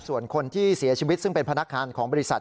ส่วนคนที่เสียชีวิตซึ่งเป็นพนักงานของบริษัท